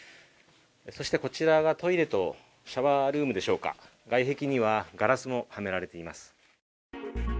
そしてこちらがトイレとシャワールームでしょうか、外壁にはガラスもはめられています。